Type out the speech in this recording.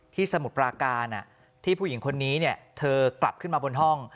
สมุทรปราการที่ผู้หญิงคนนี้เธอกลับขึ้นมาบนห้อง